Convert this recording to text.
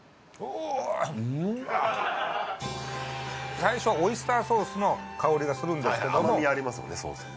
最初オイスターソースの香りがするんですけども甘みありますもんね